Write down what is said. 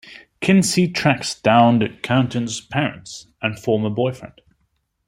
Kinsey tracks down the accountant's parents and former boyfriend.